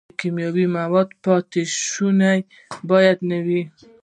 د کیمیاوي موادو پاتې شوني باید نه وي.